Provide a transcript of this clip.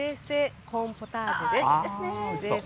コーンポタージュです。